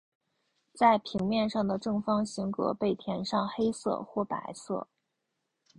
在平面上的正方形格被填上黑色或白色。